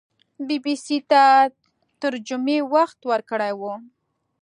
بي بي سي ته تر جمعې وخت ورکړی وو